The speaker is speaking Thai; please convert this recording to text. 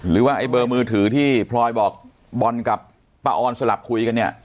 ไอ้เบอร์มือถือที่พลอยบอกบอลกับป้าออนสลับคุยกันเนี่ย